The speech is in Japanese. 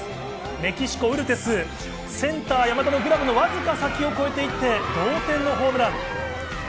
メキシコのウルテス、センター・山田のグラブのわずか先を越えていって同点のホームラン。